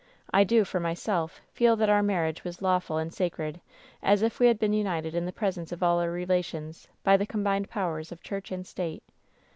I do, for myself, feel that our marriage was lawful and sacred as if we had been united in the presence of all our relations, by the combined powers of church and state.